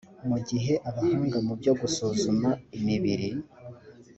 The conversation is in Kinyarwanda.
mu gihe abahanga mu byo gusuzuma imibiri